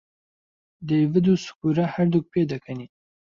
دەیڤد و سکورا هەردووک پێدەکەنین.